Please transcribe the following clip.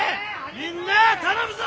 みんなあ頼むぞ！